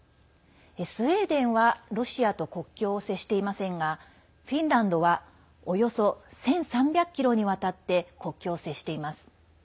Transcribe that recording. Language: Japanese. スウェーデンはロシアと国境を接していませんがフィンランドはおよそ１３００ｋｍにわたって国境を接しています。